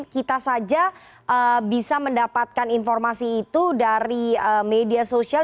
kita saja bisa mendapatkan informasi itu dari media sosial